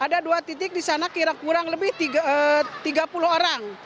ada dua titik di sana kurang lebih tiga puluh orang